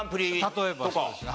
例えばそうですね。